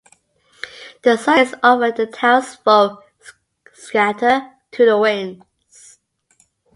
The circus over, the townsfolk scatter to the winds.